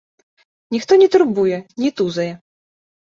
Ніхто не турбуе, не тузае.